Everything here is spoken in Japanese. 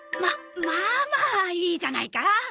ままあまあいいじゃないか。